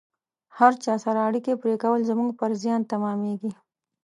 هر چا سره اړیکې پرې کول زموږ پر زیان تمامیږي